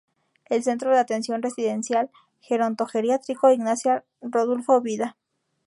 El Centro de Atención Residencial Geronto-geriátrico Ignacia Rodulfo Vda.